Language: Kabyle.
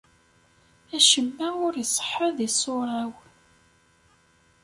Acemma ur iṣeḥḥa di ṣṣura-w.